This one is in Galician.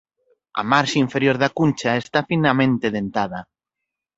A marxe inferior da cuncha está finamente dentada.